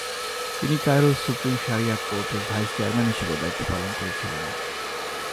তিনি কায়রোর supreme শারিয়াহ court এর ভাইস-চেয়ারম্যান হিসেবেও দায়িত্ব পালন করেছিলেন।